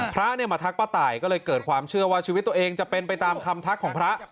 พระเนี่ยมาทักป้าตายก็เลยเกิดความเชื่อว่าชีวิตตัวเองจะเป็นไปตามคำทักของพระ